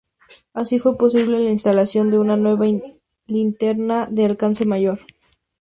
Así fue posible la instalación de una nueva linterna de alcance mayor.